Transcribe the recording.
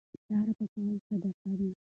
لاره پاکول صدقه ده.